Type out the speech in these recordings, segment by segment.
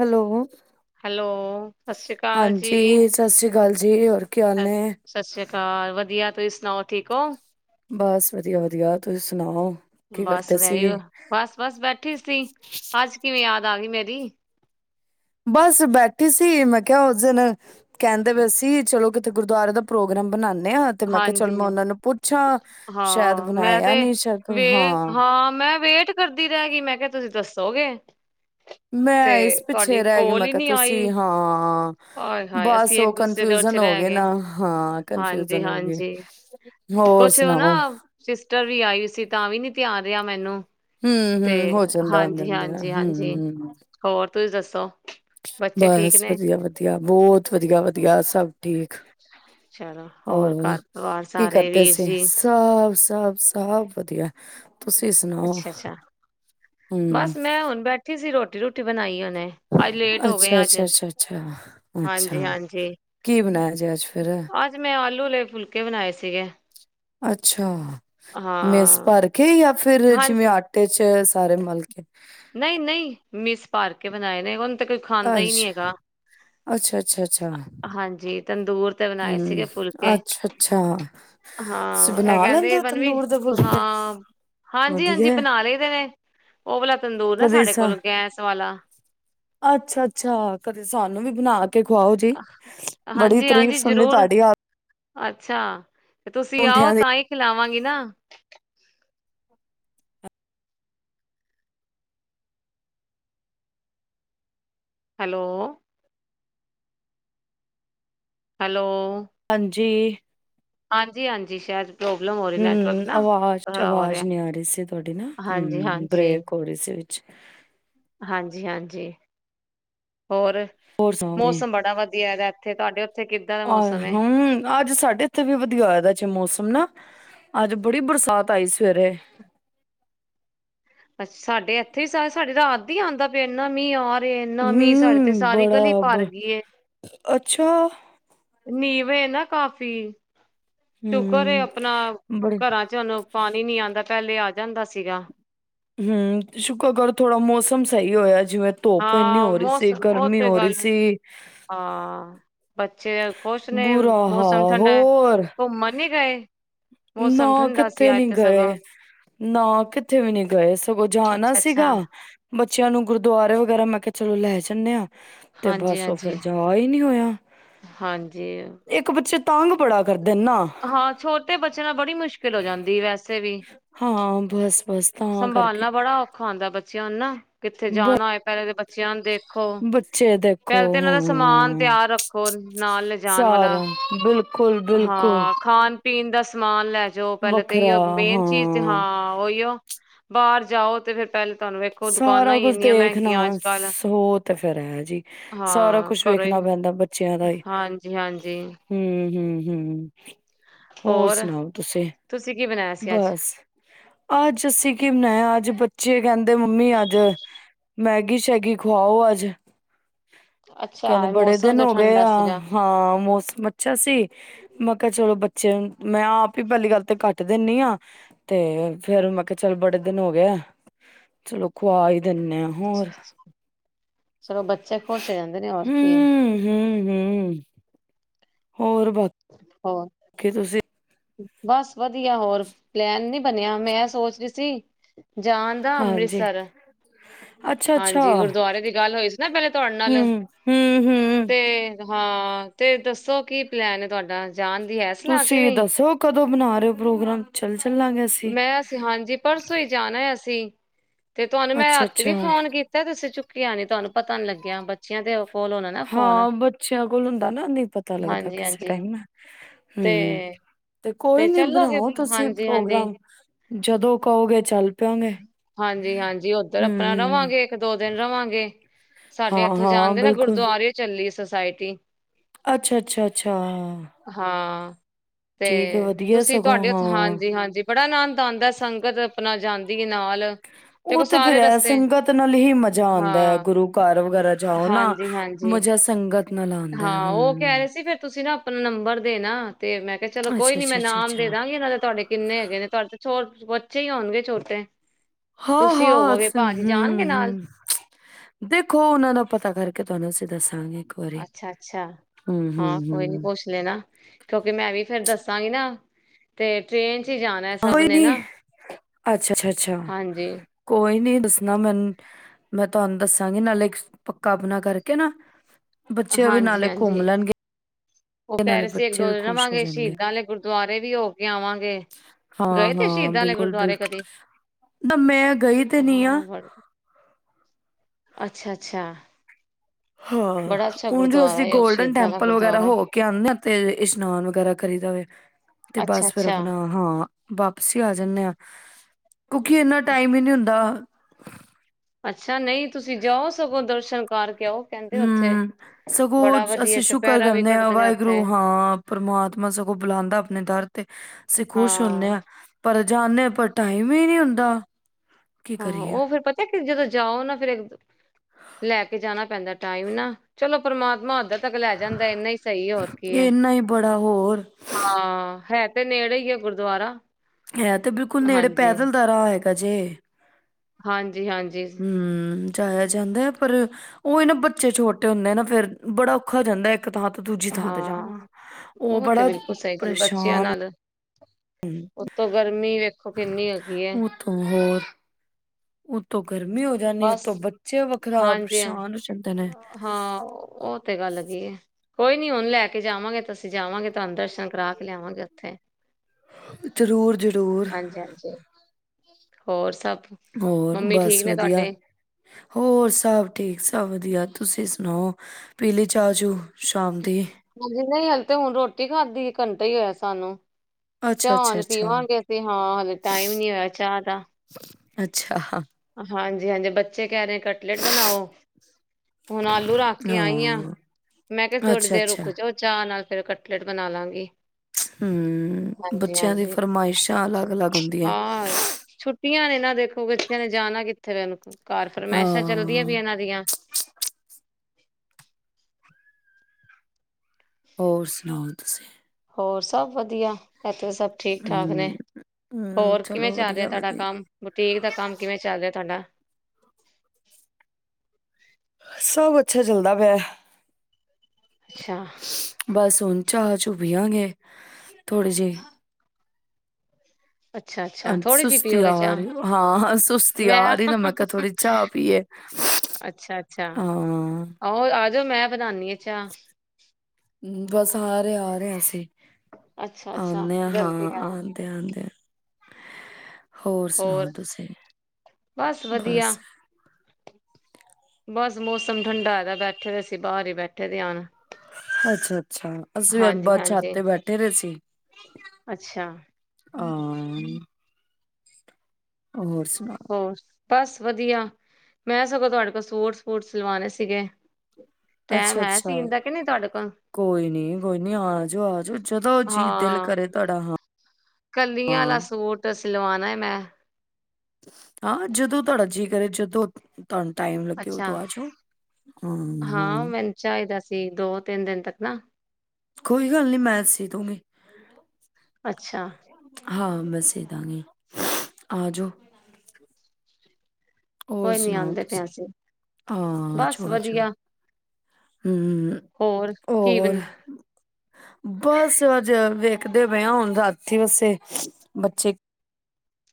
Hello hello ਸਤਿ ਸ੍ਰੀ ਅਕਾਲ ਜੀ ਗੱਲ ਜੇ, ਹੋਰ ਕੀ ਹਾਲ ਨੇ ਸਤਿ ਸ੍ਰੀ ਅਕਾਲ ਵਧੀਆ ਤੁਸੀ ਸੁਣਾਓ ਠੀਕ ਹੋ ਬਸ ਵਧੀਆ ਵਧੀਆ ਤੁਸੀਂ ਸੁਣਾਓ ਕੀ ਬਸ ਕਰਦੇ ਮੈਂ ਵੀ ਸੀ ਬਸ-ਬਸ ਬੈਠੀ ਸੀ। ਅੱਜ ਕਿਵੇਂ ਯਾਦ ਆ ਗਈ ਮੇਰੀ [inaudible] ਬਸ ਬੈਠੀ ਸੀ ਮੈਂ ਕਿਹਾ ਉਸ ਦਿਨ ਕਹਿੰਦੇ ਪਏ ਸੀ ਚਲੋ ਕਿਤੇ ਗੁਰਦੁਆਰੇ ਦਾ ਪ੍ਰੋਗਰਾਮ ਬਣਾਉਦੇ ਹਾਂ ਤੇ ਮੈਂ ਕਿਹਾ ਚਲ ਹਾਂਜੀ ਮੈਂ ਹ ਉਹਨਾਂ ਨੂੰ ਪੁੱਛਾਂ ਸ਼ਾਇਦ ਹਾਂ ਮੈਂ ਬਣਾਇਆ ਤੇ ਨੀ ਸ਼ਾਇਦ ਵੇ ਹਾਂ ਮੈਂ ਵੇਟ ਕਰਦੀ ਰਹਿ ਗਈ ਮੈਂ ਕਿਹਾ ਤੁਸੀਂ ਦੱਸੋਗੇ ਤੇ ਮੈਂ ਇਸ ਤੁਹਾਡੀ ਪਿੱਛੇ ਰਹਿ ਗਈ ਕੋਲ ਮੈਂ ਹੀ ਕਿਹਾ ਨੀ ਆਈ। ਤੁਸੀਂ ਹਾਂ ਆਏ ਹਾਏ ਬਸ ਅਸੀਂ ਉਹ ਇੱਕ ਦੂਸਰੇ ਦੇ ਚ ਕਨਫਿਊਜਨ ਹੋ ਰਹਿ ਗਏ ਨਾ ਹਾਂ ਕਨਫਿਊਜਨ ਹੋ ਗਈ ਹਾਂਜੀ-ਹਾਂਜੀ, ਹੋਰ ਕੁਛ ਉਹ ਨਾ ਸੁਣਾਓ ਸਿਸਟਰ ਵੀ ਆਈ ਸੀ ਤਾਂ ਵੀ ਨੀ ਧਿਆਨ ਰਿਹਾ ਮੈਨੂੰ ਹੂ ਹੂ ਤੇ ਹੋ ਜਾਂਦਾ ਹੋ ਜਾਂਦਾ ਹੂ ਹੂ ਤਸੀ ਦੱਸੋ ਬੱਚੇ ਠੀਕ ਬਸ ਨੇ? ਵਧੀਆ ਵਧੀਆ ਬਹੁਤ ਵਧੀਆ ਵਧੀਆ ਸਭ ਠੀਕ। ਚਲੋ ਹੋਰ ਘਰ ਪਰਿਵਾਰ ਕੀ ਸਾਰੇ ਕਰਦੇ ਵੀਰ ਸੀਂ ਜੀ ਸਭ ਸਭ ਸਭ ਵਧੀਆ। ਤੁਸੀਂ ਸੁਣਾਓ ਅੱਛਾ ਅੱਛਾ ਹੂੰ ਬਸ ਮੈਂ ਹੁਣ ਬੈਠੀ ਸੀ ਰੋਟੀ ਰੋਟੀ ਰੁਟੀ ਬਣਾਈ ਐ ਅੱਛਾ ਅੱਛਾ ਅੱਛਾ ਅੱਛਾ ਅੱਛਾ ਹਾਂਜੀ ਹਾਂਜੀ ਕੀ ਬਣਾਇਆ ਜੇ ਅੱਜ ਫੇਰ ਛੋਲੇ ਫੁਲਕੇ ਬਣਾਏ ਸੀਗੇ। ਅੱਛਾ ਮਿਸ ਹਾਂ ਭਰ ਕੇ ਯਾ ਫਿਰ ਜਿਵੇਂ ਹਾਂਜੀ ਆਟੇ ਚ ਸਾਰੇ ਮਲਕੇ ਨਹੀਂ ਨਹੀਂ ਮਿਸ ਭਰ ਕੇ ਬਣਾਏ ਨੇ। ਤੇ ਕੋਈ ਖਾਂਦਾ ਹੀ ਨਹੀਂ ਅੱਛਾ, ਹੈਗਾ ਅੱਛਾ-ਅੱਛਾ-ਅੱਛਾ ਹਾਂਜੀ ਤੰਦੂਰ ਤੇ ਬਣਾਏ ਹੂੰ ਸੀਗੇ ਫੁਲਕੇ ਅੱਛਾ-ਅੱਛਾ ਤੁਸੀਂ ਹਾਂ। ਇਹ ਬਣਾ ਲੈਂਦੇ ਕਹਿੰਦੇ ਹੋ ਮਨਵੀ ਤੰਦੂਰ ਦੇ ਫੁਲਕੇ ਹਾਂ ਹਾਂਜੀ ਵਧੀਆ ਹਾਂਜੀ ਹੈ। ਬਣਾ ਲਈਏ ਤੇ ਨੇ ਉਹ ਵਾਲਾ ਤੰਦੂਰ ਨਾ ਕਦੇ ਸਾਡੇ ਅੱਛਾ ਕੋਲ ਗੈਸ ਵਾਲਾ ਅੱਛਾ ਕਦੇ ਸਾਨੂੰ ਵੀ ਬਣਾ ਕੇ ਕੇ ਖੁਵਾਓ ਜੀ ਬੜੀ ਹਾਂਜੀ ਤਾਰੀਫ਼ ਹਾਂਜੀ ਸੁਣਨੀ ਜ਼ਰੂਰ ਤੁਹਾਡੀ ਆ ਅੱਛਾ ਤੇ ਤੁਸੀਂ ਆਓ ਪਰੌਂਠਿਆਂ ਦੀ। ਤਾਂ ਹੀ ਖਿਲਾਵਾਂਗੇ ਨਾ ਹੈਲੋ ਹੈਲੋ ਹਾਂਜੀ ਜੀ ਹਾਂਜੀ ਹਾਂਜੀ ਸ਼ੈਦ ਹੂੰ ਅਵਾਜ਼ ਹੋ ਅਵਾਜ਼ ਰਿਹਾ। ਨੀ ਆ ਰਹੀ ਸੀ ਤੁਹਾਡੀ ਨਾ ਹਮ ਬ੍ਰੇਕ ਹੋ ਰਹੀ ਸੀ। ਅੱਛਾ ਹਾਂਜੀ ਹਾਂਜੀ ਹੋਰ ਹੋਰ ਸੁਣਾਓ ਤੁਸੀਂ ਮੌਸਮ ਬੜਾ ਵਧੀਆ ਐ ਤੇ ਤੁਹਾਡੇ ਕਿੱਦਾਂ ਦਾ ਮੌਸਮ ਆਹ ਏ? ਹੂੰ ਅੱਜ ਸਾਡੇ ਇੱਥੇ ਵੀ ਵਧੀਆ ਦਾ ਚ ਮੌਸਮ ਨਾ। ਅੱਜ ਬੜੀ ਬਰਸਾਤ ਆਈ ਸਵੇਰੇ ਅੱਛਾ ਸਾਡੇ ਇੱਥੇ ਵੀ ਸ ਸਾਡੀ ਰਾਤ ਹੀ ਆਦਾ ਇਨਾ ਮੀਂਹ ਆ ਇੰਨਾ ਮੀਂਹ ਸਾਡੇ ਤੇ ਹੂੰ ਸਾਰੀ ਬੜਾ ਗਲੀ ਬ ਭਰ ਗਈ ਏ। ਅੱਛਾ ਨੀਵੇਂ ਏ ਨਾ ਕਾਫੀ ਸ਼ੁਕਰ ਹੂੰ ਆਪਣਾ ਬੜੇ ਘਰਾਂ ਚ ਸਾਨੂੰ ਪਾਣੀ ਨੀ ਆਉਂਦਾ ਪਹਿਲੇ ਆ ਜਾਂਦਾ ਸੀਗਾ ਹੂ ਸ਼ੁਕਗਰ ਸ਼ੁਕਰ ਕਰੋ ਥੋੜਾ ਮੌਸਮ ਸਹੀ ਕੀ ਹੋਇਆ ਅਜ ਜਿਵੇਂ ਧੱਪ ਇੰਨੀ ਹਾਂ, ਹੋ ਰਹੀ ਸੀ ਮੌਸਮ ਉਹ ਗਰਮੀ ਤੇ ਹੋ ਰਹੀ ਗੱਲ ਸੀ ਚਲੋ ਔ ਖੁਸ਼ ਨੇ ਬੁਰਾ ਮੌਸਮ ਹਾਲ ਠੰਡਾ ਹੋਰ ਘੁੰਮਣ ਨੀ ਗਏ ਮੌਸਮ ਨਾ ਠੰਡਾ ਸੀ ਕਿੱਥੇ ਅੱਜ ਨੀ ਤੇ ਸਗੋਂ ਗਏ, ਨਾ ਕਿੱਥੇ ਵੀ ਨੀ ਗਏ, ਸਗੋਂ ਜਾਣਾ ਅੱਛਾ ਅੱਛਾ ਸੀਗਾ ਬੱਚਿਆਂ ਨੂੰ ਗੁਰਦੁਆਰੇ ਵਗੈਰਾ ਮੈਂ ਕਿਹਾ ਚਲੋ ਲੈ ਜਾਂਦੇ ਹਾਂ ਤੇ ਹਾਂਜੀ ਬਸ ਉਹ ਫੇਰ ਹਾਂਜੀ ਜਾ ਹੀ ਨਹੀਂ ਹੋਇਆ ਹਾਂਜੀ ਇੱਕ ਬੱਚੇ ਤੰਗ ਬੜਾ ਕਰਦਾ ਹਾਂ ਛੋਟੇ ਬੱਚੇ ਬੱਚੇ ਨਾਲ ਬੜੀ ਮੁਸ਼ਕਿਲ ਹੋ ਜਾਂਦੀ ਵੈਸੇ ਵੀ ਹਾਂ ਬਸ ਬਸ ਤਾਂ ਕਰਕੇ ਸੰਭਾਲਣਾ ਬੜਾ ਔਖਾ ਹੋਂਦਾ ਹੈ, ਬੱਚੇ ਜਾ ਨਾ ਕਿੱਥੇ ਬ ਜਾਣਾ ਹੋਏ ਪਹਿਲੇ ਤੇ ਬੱਚੇ ਚਾਉਂਦੇ ਰੱਖੋ, ਬੱਚੇ ਦੇਖੋ ਪਹਿਲੇ ਤੇ ਇਹਨਾਂ ਦਾ ਸਮਾਨ ਹਾਂ ਤਿਆਰ ਰੱਖੋ ਨਾਲ ਲਿਜਾਣ ਵਾਲਾ ਸਾਰਾ ਬਿਲਕੁਲ ਬਿਲਕੁਲ ਹਾਂ ਖਾਣ ਪੀਣ ਦਾ ਸਮਾਨ ਲੈ ਜਾਓ ਪਹਿਲਾਂ ਤੇ ਇਓ ਮੇਨ ਚੀਜ਼ ਹਾਂ ਔ ਹੀਓ ਬਾਹਰ ਜਾਓ ਤੇ ਫਿਰ ਸਾਰਾ ਕੁਛ ਦੇਖਣਾ ਅੱਜ ਕੱਲ ਔ ਤੇ ਫਿਰ ਹੈ ਜੀ ਸਾਰਾ ਹਾਂ ਕੁਛ ਘਰੋਂ ਹੀ ਵੇਖਣਾ ਪੈਂਦਾ ਬੱਚਿਆਂ ਦਾ ਹੀ ਹਾਂਜੀ ਹਾਂਜੀ ਹਮ ਹਮ ਹੂ ਹੋਰ ਸੁਣਾਓ ਤੁਸੀਂ ਕੀ ਬਣਾਇਆ ਸੀ ਅੱਜ ਬਸ ਅੱਜ ਅਸੀਂ ਕੀ ਬਣਾਇਆ ਅੱਜ ਬੱਚੇ ਕਹਿੰਦੇ ਮੰਮੀ ਅੱਜ ਮੈਗੀ ਸ਼ੈਗੀ ਖਵਾਓ ਅੱਜ ਅੱਛਾ ਕਹਿੰਦੇ ਬੜੇ ਮੌਸਮ ਦਿਨ ਜਿਹਾ ਹੋ ਗਏ ਠੰਡਾ ਆ ਸੀਗਾ ਹਾਂ ਮੌਸਮ ਅੱਛਾ ਸੀ ਮੈਂ ਕਿਹਾ ਚਲੋ ਅੱਛ ਮੈਂ ਆਪ ਹੀ ਪਹਿਲੀ ਗੱਲ ਤੇ ਘੱਟ ਕੁੱਟ ਦੇਂਨੀ ਆ ਤੇ ਫੇਰ ਮੈਂ ਕਿਹਾ ਚਲ ਬੜੇ ਦਿਨ ਹੋ ਗ ਚਲੋ ਖ਼ਵਾ ਈ ਦਿੰਨੇ ਆ, ਹੋਰ ਚਲੋ ਬੱਚੇ ਖੁਸ਼ ਹੋ ਜਾਂਦੇ ਨੇ ਹੋਰ ਹੂ ਕੀ ਹੈ ਹੂ ਹੂ ਹੋਰ ਬਸ ਹੋਰ ਕੀ ਤੁਸੀਂ ਬਸ ਵਧੀਆ ਹੋਰ ਪਲੈਨ ਨੀ ਬਣਿਆ ਮੈਂ ਸੋਚ ਰਹੀ ਸੀ ਜਾਣ ਦਾ ਹਾਂਜੀ ਅੰਮ੍ਰਿਤਸਰ ਅੱਛਾ ਅੱਛਾ ਹਾਂਜੀ ਗੁਰਦੁਆਰੇ ਦੀ ਗੱਲ ਹੋਈ ਸੀ ਨਾ ਪਹਿਲੇ ਤੁਹਾਡੇ ਨਾਲ ਹਮ ਹਮ ਹਮ ਤੇ ਹਾਂ ਤੇ ਦੱਸੋ ਕੀ ਪਲੈਨ ਹੈ ਤੁਹਾਡਾ। ਜਾਣ ਦੀ ਹੈ ਸਲਾ ਕੇ ਨਹੀਂ। ਬਨਾ ਰਹੇ ਹੋ ਪ੍ਰੋਗਰਾਮ ਚੱਲ ਚੱਲਾਂਗੇ ਮੈਂ ਅਸੀਂ ਹਾਂਜੀ ਪਰਸੋਂ ਹੀ ਜਾਣਾ ਆ ਅਸੀ। ਸੀ। ਤੇ ਤੁਹਾਨੂੰ ਮੈਂ ਅੱਛਾ ਰਾਤੀ ਵੀ ਅੱਛਾ ਫੋਨ ਕੀਤਾ ਤੇ ਅਸੀਂ ਚੁੱਕਿਆ ਨੀ। ਤੁਹਾਨੂੰ ਪਤਾ ਨੀ ਲੱਗਿਆ ਬੱਚਿਆਂ ਦੇ ਕੋਲ ਹੋਣਾ ਨਾ ਫੋਨ ਹਾਂ ਬੱਚਿਆਂ ਕੋਲ ਹੁੰਦਾ ਨਾ ਨਹੀਂ ਪਤਾ ਲੱਗਦਾ ਹਾਂਜੀ ਕਿਸੇ ਹਾਂਜੀ ਟਾਈਮ। ਤੇ ਹੂੰ ਤੇ ਕੋਈ ਨੀ ਚੱਲੋਗੇ ਬਣਾਓ ਤੁਸੀਂ ਹਾਂਜੀ ਹਾਂਜੀ ਪ੍ਰੋਗਰਾਮ ਜਦੋਂ ਕਹੋਗੇ ਚੱਲ ਪਿਆਗੇ ਹਾਂਜੀ ਹਾਂਜੀ ਉੱਧਰ ਹੂੰ ਆਪਣਾ ਹੂੰ, ਰਵਾਂਗੇ ਇੱਕ ਦੋ ਦਿਨ ਰਵਾਂਗੇ। ਸਾਡੇ ਹਾਂ ਇੱਥੋਂ ਹਾਂ ਜਾਂਦੇ ਨਾ ਬਿਲਕੁਲ ਗੁਰਦੁਆਰੇ ਚੱਲੀ ਸੋਸਾਇਟੀ ਅੱਛਾ ਅੱਛਾ ਅੱਛਾ ਹਾਂ ਠੀਕ ਹੈ ਤੇ ਵਧੀਆ ਤੁਸੀਂ ਸਗੋਂ ਤੁਹਾਡੇ ਉੱਥੇ ਹਾਂ ਹਾਂਜੀ ਹਾਂਜੀ ਬੜਾ ਆਨੰਦ ਆਦਾ। ਸੰਗਤ ਆਪਣਾ ਜਾਦੇ ਨਾਲ ਉਹ ਦੇਖੋ ਤੇ ਫਿਰ ਸਾਰੇ ਹੈ ਰਸਤੇ ਸੰਗਤ ਨਾਲ ਹੀ ਮਜ਼ਾ ਆਦਾ ਹੈ ਹਾਂ ਗੁਰੂ ਘਰ ਵਗੈਰਾ ਜਾਓ ਨਾ ਹਾਂਜੀ-ਹਾਂਜੀ ਮਜ਼ਾ ਸੰਗਤ ਨਾਲ ਆਉਂਦਾ ਹੈ। ਹਾਂ ਉਹ ਕਹਿ ਹੂੰ ਰਹੇ ਸੀ ਫਿਰ ਤੁਸੀਂ ਨਾ ਆਪਣਾ ਨੰਬਰ ਦੇਣਾ ਤੇ ਮੈਂ ਕਿਹਾ ਚਲੋ ਕੋਈ ਅੱਛਾ ਨੀ ਮੈਂ ਅੱਛਾ ਅੱਛਾ ਨਾਮ ਅੱਛਾ ਦੇ ਦਾਂਗੀ ਇਹਨਾਂ ਦੇ ਤੁਹਾਡੇ ਕਿੰਨੇ ਹੈਗੇ ਨੇ ਤੁਹਾਡੇ ਤੇ ਛੋਟੇ ਬੱਚੇ ਹੀ ਹੋਣਗੇ ਛੋਟੇ ਹਾਂ ਤੁਸੀਂ ਹਾਂ ਹੋਵੋਗੇ ਹੂੰ ਭਾਜੀ ਜਾਣਗੇ ਨਾਲ ਹੂੰ ਦੇਖੋ ਉਹਨਾਂ ਦਾ ਪਤਾ ਕਰਕੇ ਤੁਹਾਨੂੰ ਅਸੀਂ ਦੱਸਾਂਗੇ। ਇੱਕ ਵਾਰੀ ਅੱਛਾ ਅੱਛਾ ਹੂੰ ਹੂੰ ਹਾਂ ਕੋਈ ਨੀ ਹੂੰ ਪੁੱਛ ਲੈਣਾ ਕਿਉਂਕਿ ਮੈਂ ਵੀ ਫੇਰ ਦੱਸ ਸਾਂਗੀ ਨਾ ਤੇ ਟ੍ਰੇਨ ਚ ਹੀ ਜਾਣਾ ਸਭ ਕੋਈ ਨੇ ਨੀ। ਨਾ ਅੱਛਾ ਅੱਛਾ ਅੱਛਾ, ਹਾਂਜੀ ਕੋਈ ਨੀ ਦੱਸਣਾ ਮੈਨੂੰ ਮੈਂ ਤੁਹਾਨੂੰ ਦੱਸਾਂਗੀ ਨਾਲੇ ਇੱਕ ਪੱਕਾ ਆਪਣਾ ਕਰਕੇ ਨਾ। ਬੱਚੇ ਵੀ ਨਾਲੇ ਘੁੰਮ ਹਾਂਜੀ-ਹਾਂਜੀ ਲੈਣਗੇ। ਉਹ ਕਹਿ ਨਾਲੇ ਰਹੇ ਸੀ ਇੱਕ ਬੱਚੇ ਦੋ ਵੀ ਦਿਨ ਖੁਸ਼ ਹੋ ਰਵਾਂਗੇ ਜਾਣਗੇ ਸ਼ਹੀਦਾਂ ਵਾਲੇ ਗੁਰਦੁਆਰੇ ਵੀ ਹੋ ਕੇ ਆਵਾਂਗੇ, ਹਾਂ ਗਏ ਤੇ ਹਾਂ ਸ਼ਹੀਦਾਂ ਵਾਲੇ ਬਿਲਕੁਲ ਗੁਰਦੁਆਰੇ ਕਦੀ। ਬਿਲਕੁਲ ਨਾ ਮੈਂ ਗਈ ਤੇ ਨੀ ਆ ਹਾਂ ਬਸ ਅੱਛਾ ਅੱਛਾ ਹਾਂ ਹੁਣ ਜੋ ਗੁਰਦੁਆਰਾ ਅਸੀਂ ਏ ਉਹ ਗੋਲਡਨ ਸ਼ਹੀਦਾਂ ਆਲਾ ਟੈਂਪਲ ਵਗੈਰਾ ਗੁਰਦੁਆਰਾ। ਹੋ ਕੇ ਆਦੇ ਅਤੇ ਇਸ਼ਨਾਨ ਵਗੈਰਾ ਕਰੀ ਜਾਵੇ ਤੇ ਬਸ ਫਿਰ ਅੱਛਾ-ਅੱਛਾ, ਆਪਣਾ ਅੱਛਾ ਹਾਂ। ਵਾਪਿਸੀ ਆ ਜਾਂਨੇ ਆਂ ਕਿਉਕਿ ਇਨਾ ਟਾਈਮ ਹੀ ਨਹੀਂ ਹੁੰਦਾ ਅੱਛਾ ਨਹੀਂ ਤੁਸੀਂ ਜਾਓ ਸਗੋਂ ਦਰਸ਼ਨ ਪਾਰਕ ਹੂ ਸਗੋਂ ਵਧੀਆ ਅਸੀਂ ਸ਼ੁਕਰ ਚੁਪਹਿਰਾ ਵੀ ਕਰਨੇ ਹਾਂ ਕੱਢਦੇ ਨੇ ਵਾਹਿਗੁਰੂ ਉੱਥੇ ਹਾਂ ਪ੍ਰਮਾਤਮਾ ਸਗੋਂ ਬੁਲਾਉਂਦਾ ਆਪਣੇ ਦਰ ਤੇ ਅਸੀਂ ਖੁਸ਼ ਹੁੰਨੇ ਹਾਂ ਪਰ ਜਾਨੇ ਆ ਪਰ ਟਾਈਮ ਹੀ ਨਹੀਂ ਹੁੰਦਾ ਕੀ ਹਾਂ ਕਰੀਏ ਉਹ ਫੇਰ ਪਤਾ ਕਿ ਜਦੋਂ ਜਾਓ ਨਾ ਫਿਰ ਇਕ ਦਿਨ ਲੈ ਕੇ ਜਾਣਾ ਪੈਂਦਾ ਟਾਈਮ ਨਾ, ਚਲੋ ਪਰਮਾਤਮਾ ਆਦਰ ਤੱਕ ਲੈ ਜਾਂਦਾ ਇੰਨਾ ਹੀ ਸਹੀ ਹੋਰ ਕੀ ਇਹ ਹੈ ਇੰਨਾ ਹੀ ਬੜਾ ਹੋਰ ਹਾਂ ਹੈ ਤੇ ਨੇੜੇ ਹੀ ਏ ਗੁਰਦੁਆਰਾ ਹੈ ਤੇ ਬਿਲਕੁਲ ਨੇੜੇ ਪੈਦਲ ਦਾ ਰਾਹ ਹੈਗਾ ਅਜੇ ਹਾਂਜੀ ਜੀ ਹਾਂਜੀ ਜਾਇਆ ਜਾਂਦਾ ਹੈ ਪਰ ਉਹ ਇਹ ਨਾ ਬੱਚੇ ਛੋਟੇ ਹੁੰਦੇ ਨਾ ਫੇਰ ਬੜਾ ਔਖਾ ਜਾਂਦਾ ਇੱਕ ਥਾਂ ਤੇ ਦੂਜੀ ਥਾਂ ਤੇ ਜਾਣਾ ਹਾਂ ਉਹ ਤੇ ਬੜਾ ਬਿਲਕੁਲ ਸਹੀ ਗੱਲ ਬੱਚਿਆਂ ਪਰੇਸ਼ਾਨ ਨਾਲ ਉਤੋਂ ਗਰਮੀ ਵੇਖੋ ਕਿੰਨੀ ਹੈਗੀ ਹੈ ਉਤੋਂ ਹੋਰ ਉਤੋਂ ਗਰਮੀ ਹੋ ਜਾਂਦੀ ਬਸ ਉਤੋਂ ਬੱਚੇ ਵੱਖਰਾ ਹਾਂਜੀ ਹਾਂ ਪਰੇਸ਼ਾਨ ਹੋ ਜਾਂਦੇ ਨੇ ਹਾਂ ਉਹ ਤੇ ਗੱਲ ਹੈਗੀ ਹੈ ਕੋਈ ਨੀ ਹੁਣ ਲੈ ਕੇ ਜਾਵਾਂਗੇ, ਤੇ ਅਸੀਂ ਜਾਵਾਂਗੇ ਤੁਹਾਨੂੰ ਦਰਸ਼ਨ ਕਰਾ ਕੇ ਲਿਆਵਾਂਗੇ ਉੱਥੇ ਜ਼ਰੂਰ ਜ਼ਰੂਰ ਹਾਂਜੀ ਹਾਂਜੀ ਹੋਰ ਸਭ ਹੋਰ ਮੰਮੀ ਠੀਕ ਬਸ ਨੇ ਵਧੀਆ ਤੁਹਾਡੇ ਹੋਰ ਸਭ ਠੀਕ ਸਭ ਵਧੀਆ ਤੁਸੀਂ ਸੁਣਾਓ ਪੀ ਲਈ ਚਾਹ ਚੂ ਸ਼ਾਮ ਦੀ ਹਾਂਜੀ ਨਹੀਂ ਹਾਲੇ ਤੇ ਹੁਣ ਰੋਟੀ ਖਾਦੀ ਹੈ ਘੰਟਾ ਹੀ ਹੋਇਆ ਸਾਨੂੰ ਅੱਛਾ ਚਾਹ ਅੱਛਾ ਹੁਣ ਅੱਛਾ ਪੀਵਾਂਗੇ ਅਸੀਂ ਹਾਂ ਹਲੇੇ ਟਾਈਮ ਨੀ ਹੋਇਆ ਚਾਹ ਦਾ ਅੱਛਾ ਹਾ ਹਾਂਜੀ ਹਾਂਜੀ ਬੱਚੇ ਕਹਿ ਰਹੇ ਕਟਲੇਟ ਬਣਾਓ ਹੁਣ ਆਲੂ ਰੱਖ ਕੇ ਆਈ ਆਂ ਮੈਂ ਕਿਹਾ ਥੋੜ੍ਹੀ ਅੱਛਾ ਦੇਰ ਅੱਛਾ ਰੁਕ ਜਾਓ ਚਾਹਅ ਨਾਲ ਫਿਰ ਔ ਕਟਲੇਟ ਬਣਾ ਲਾਂਗੀ ਹੂ ਹਾਂਜੀ ਬੱਚਿਆਂ ਦੀ ਹਾਂਜੀ ਫਰਮਾਇਸ਼ਾਂ ਅਲੱਗ ਅਲੱਗ ਹੁੰਦੀਆਂ ਹੋ ਗਏ [unintelligible] ਏਨੇ ਜਾਣਾ ਕਿੱਥੇ ਰੈਣ ਕੁ ਘਰ ਫਰਮਾਇਸ਼ਾਂ ਚੱਲਦੀਆਂ ਵੀ ਹਾਂ ਇਹਨਾਂ ਦੀਆਂ ਹੋਰ ਸੁਣਾਓ ਤੁਸੀਂ ਹੋਰ ਸਭ ਵਧੀਆ ਇਥੇ ਸਭ ਠੀਕ ਠਾਕ ਨੇ ਹੂੰ ਹੂੰ ਹੋਰ ਕਿਵੇਂ ਚਲੋ ਚੱਲ ਰਿਹਾ ਵਧੀਆ ਤੁਹਾਡਾ ਵਧੀਆ ਕੰਮ ਬੁਟੀਕ ਦਾ ਕੰਮ ਕਿਵੇਂ ਚੱਲ ਰਿਹਾ ਤੁਹਾਡਾ ਸਭ ਅੱਛਾ ਚੱਲਦਾ ਪਿਆ ਅੱਛਾ ਬਸ ਹੁਣ ਚਾਹ ਚੁ ਪਿਆਂ ਗੇ ਥੋੜੀ ਜੇ ਹੀ ਅੱਛਾ ਅੱਛਾ ਥੋੜ੍ਹੀ ਜਿਹੀ ਸੁਸਤੀ ਆ ਪੀਓਗੇ ਚਾਹ ਰਹੀ ਹਾਂ ਸੁਸਤੀ ਮੈਂ ਆ ਰਹੀ ਮੈਂ ਕੇਆ ਥੋੜ੍ਹੀ ਚਾਹ ਪੀਏ ਹਾਂ ਦੇਯੋ ਮੈਂ ਬਣਾਨੀ ਹਾਂ ਚਾਹ ਬਸ ਆ ਰਹੇ ਆ ਰਹੇ ਹਾ ਅਸੀਂ ਅੱਛਾ ਅੱਛਾ ਆਉਂਦੇ ਆ ਹਾਂ ਜਲਦੀ ਆਓ ਆਉਂਦੇ ਆਉਂਦੇ ਆ ਹੋਰ ਸੁਣਾਓ ਤੁਸੀਂ, ਬਸ ਬਸ ਮੌਸਮ ਠੰਡਾ ਆਏਦਾ ਬੈਠੇ ਸੀ ਐ ਬਾਹਰ ਹੀ ਬੈਠੇ ਦੇ ਆਣ ਅੱਛਾ ਅੱਛਾ ਅਸੀਂ ਹਾਂਜੀ ਬਸ ਛੱਤ ਹਾਂਜੀ ਤੇ ਬੈਠੇ ਰਹੇ ਸੀ ਅੱਛਾ ਹਾਂ ਹੋਰ ਸੁਣਾਓ ਹੋਰ ਬਸ ਵਧੀਆ ਮੈਂ ਸਗੋਂ ਤੁਹਾਡੇ ਕੋਲ ਸੂਟ ਸੂਟ ਸਿਲਵਾਣੇ ਸੀਗੇ ਅੱਛਾ ਟੈਮ ਹੈ ਅੱਛਾ ਸੀਨ ਦਾ ਕਿ ਨਹੀਂ ਤੁਹਾਡੇ ਕੋਲ ਕੋਈ ਨੀ ਕੋਈ ਨੀ ਆ ਜਾਓ ਆਜਓ ਜਦੋਂ ਜੀ ਦਿਲ ਹਾਂ ਕਰੇ ਤੁਹਾਡਾ ਹਾਂ ਹਾਂ ਲਵਾਉਣਾ ਏ ਮੈਂ ਹਾਂ ਜਦੋਂ ਤੁਹਾਡਾ ਜੀਅ ਕਰੇ ਜਦੋਂ ਤੁਹਾਨੂੰ ਟਾਈਮ ਲੱਗੇ ਅੱਛਾ ਔਦੋ ਆ ਜਾਯੋ ਹੂ ਹੂ ਤੇ ਦੋ ਤਿੰਨ ਦਿਨ ਤੱਕ ਨਾ ਕੋਈ ਗੱਲ ਨਹੀਂ ਮੈਂ ਸੀ ਦੂਗੀ ਅੱਛਾ ਹਾਂ ਮੈਂ ਸੀ ਦਾਗੀ, ਆ ਜੋੋ ਹੋਰ ਕੋਈ ਨੀ ਸੁਣਾਓ ਆਉਂਦੇ ਪਏ ਤੁਸੀਂ, ਅਸੀਂ ਹਾਂ ਬਸ ਆਜੋ ਆਜੋ ਵਧੀਆ ਹੂ ਹੋਰ ਕੀ ਬਣ ਹੋਰ ਬਸ ਅੱਜ ਵੇਖਦੇ ਪਏ ਹ ਹੁਣ ਰਾਤੀ ਵਾਸਤੇ, ਬੱਚੇ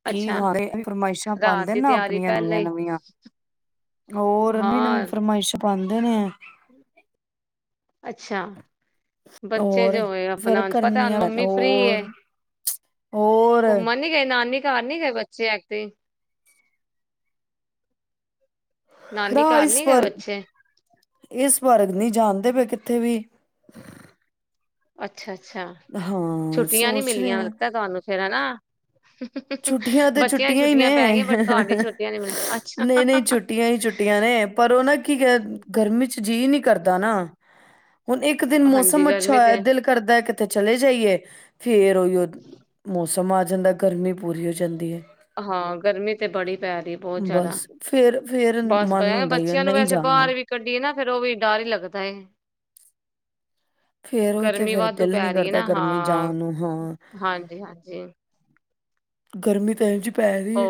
ਕੀ ਅੱਛਾ ਹਾਲ ਐ, ਫਰਮਾਇਸ਼ਾਂ ਰਾਤ ਪਾਉਂਦੇ ਦੀ ਨਾ ਤਿਆਰੀ ਆਪਣੀਆਂ ਪਹਿਲਾਂ ਨਵੀਆਂ ਹੀ ਨਵੀਆਂ ਹੋਰ ਨਵੀਂ ਨਵੀਂ ਹਾਂ ਫਰਮਾਇਸ਼ਾਂ ਪਉਦੇ ਨੇ ਐ ਅੱਛਾ ਬੱਚੇ ਹੋਰ ਜੋਏ ਫਿਰ ਆਪਣਾ ਪਤਾ ਹੁਣ ਕਰਨੀਆਂ ਮੰਮੀ ਫ੍ਰੀ ਐ ਹੋਰ ਹੋਰ ਉਹ ਮਨ ਗਈ ਨਾ ਅਨ ਘਰ ਨੀ ਗਏ ਬੱਚੇ ਐਕ ਤੇ ਨਾਨੀ ਨਾ ਘਰ ਇਸ ਨੀ ਗਏ ਵਾਰ ਬੱਚੇ ਇਸ ਬਾਰਗ ਨਹੀਂ ਜਾਣਦੇ ਪਏ ਕਿੱਥੇ ਵੀ ਅੱਛਾ ਅੱਛਾ ਅੱਛਾ ਹਾਂ ਛੁੱਟੀਆਂ ਨੀ ਸੋਚ ਰਹੇ ਮਿਲੀਆਂ ਆ ਲੱਗਤਾ ਤੁਹਾਨੂੰ ਫਣਾ ਨਾ ਛੁੱਟੀਆਂ ਤੇ ਛੁੱਟੀਆਂ ਹੀ ਨੇ ਪੈ ਗਈਆਂ ਬਟ ਤੁਹਾਡੀ ਛੁੱਟੀਆਂ ਨੀ ਮਿਲੀਆਂ ਅੱਛਾ ਨਹੀਂ ਨਹੀਂ ਛੁੱਟੀਆਂ ਹੀ ਛੁੱਟੀਆਂ ਨੇ ਪਰ ਉਹ ਨਾ ਕੀ ਗਰਮੀ ਚ ਜੀਅ ਨਹੀਂੀ ਕਰਦਾ ਨਾ ਹੁਣ ਇੱਕ ਦਿਨ ਹਾਂਜੀ ਮੌਸਮ ਅੱਛਾ ਗਰਮੀ ਤੇ ਦਿਲ ਕਰਦਾ ਹੈ ਕਿਤੇ ਚਲੇ ਜਾਈਏ ਫੇਰ ਉਹੀਓ ਮੌਸਮ ਆ ਜਾਂਦਾ ਗਰਮੀ ਪੂਰੀ ਹੋ ਜਾਂਦੀ ਹੈ ਹਾਂ ਗਰਮੀ ਤੇ ਬੜੀ ਪੈ ਰਹੀ ਬਹੁਤ ਜ਼ਿਆਦਾ ਬਸ ਫੇਰ ਫੇਰ ਬਸ ਮਨ ਹੁੰਦਾ ਹੀ ਹੈ ਬੱਚਿਆਂ ਨੂੰ ਨਹੀਂ ਵੈਸੇ ਜਾਣਾ ਬਾਹਰ ਵੀ ਕੱਢੀਏ ਨਾ ਫੇਿਰ ਉਹ ਵੀ ਡਰ ਹੀ ਲੱਗਦਾ ਫੇਰ ਉਹੀ ਤੇ ਗਰਮੀ ਫੇਰ ਵਾਧੂ ਦਿਲ ਨੀ ਪੈ ਰਹੀ ਹੈ ਕਰਦਾ ਨਾ ਗਰਮੀ ਹਾਂ ਜਾਣ ਨੂੰ ਹਾਂ ਹਾਂਜੀ ਹਾਂਜੀ ਗਰਮੀ ਤਾਈ ਚ ਪੈਦੀ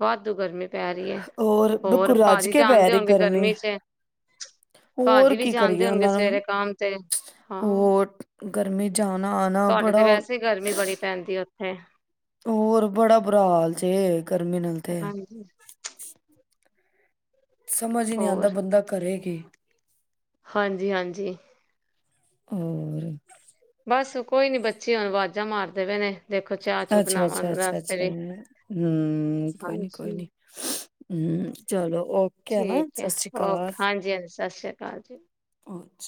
ਬਹੁਤ ਦੁਗਰਮੇ ਹੋਰ ਬਿਲਕੁਲ ਰੱਜ ਕੇ ਪੈ ਜਾਣਦੇ ਰਹੀ ਹੋਣਗੇ ਗਰਮੀ ਚ ਹੋਰ ਭਾਜੀ ਵੀ ਕੀ ਕਰੀਏ ਜਾਂਦੇ ਹੋਣਗੇ ਉਹਨਾਂ ਨੂੰ ਸਵੇਰੇ ਕੰਮ ਤੇ ਹਾਂ ਹੋਰ ਗਰਮੀ ਜਾਂ ਉਹਨਾਂ ਤੁਹਾਡੇ ਤੇ ਵੈਸੇ ਹੀ ਗਰਮੀ ਬੜੀ ਪੈਂਦੀ ਹੈ ਉਥੇ ਹੈ ਹੋਰ ਬੜਾ ਬੁਰਾ ਹਾਲ ਚ ਗਰਮੀ ਨਿਲ ਤੇ ਹੈ ਹਾਂਜੀ ਸਮਝ ਹੀ ਨਹੀਂ ਹੋਰ ਆਉਂਦਾ ਬੰਦਾ ਕਰੇਗੀ ਹਾਂਜੀ ਹਾਂਜੀ ਹੋਰ ਬਸ ਕੋਈ ਨੀ ਬੱਚੀੁ ਅਵਾਜ਼ਾਂ ਮਾਰਦੇ ਪਏ ਨੇ ਦੇਖੋ ਚਾਹ ਚੂ ਅੱਛਾ ਬਣਾਵਾਂ ਅੱਛਾ ਅੱਛਾ ਵਾਸਤੇ ਅੱਛਾ ਵੀ ਹਮ ਕੋਈ ਨੀ ਕੋਈ ਹਾਂਜੀ ਨੀ ਹਮ ਚਲੋ ਓਕੇ ਹਨਾ ਠੀਕ ਹੈ ਸਤਿ ਸ਼੍ਰੀ ਓ ਅਕਾਲ ਹਾਂਜੀ ਹਾਂਜੀ ਸਤਿ ਸ੍ਰੀ ਅਕਾਲ ਜੀ ਅਸ